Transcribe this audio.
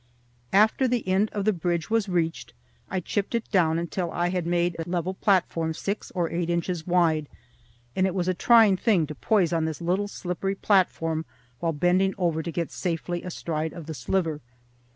After the end of the bridge was reached I chipped it down until I had made a level platform six or eight inches wide, and it was a trying thing to poise on this little slippery platform while bending over to get safely astride of the sliver.